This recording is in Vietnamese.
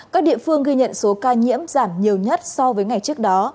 các địa phương ghi nhận số ca nhiễm giảm nhiều nhất so với ngày trước đó